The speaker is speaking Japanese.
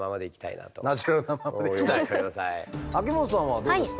秋元さんはどうですか？